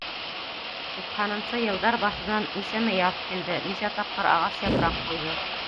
Туҡһанынсы йылдар башынан нисәмә яҙ килде, нисә тапҡыр ағас япраҡ ҡойҙо.